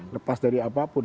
lepas dari apapun